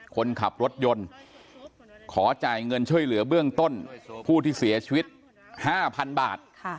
คนขับรถยนต์ขอจ่ายเงินช่วยเหลือเบื้องต้นผู้ที่เสียชีวิต๕๐๐๐บาท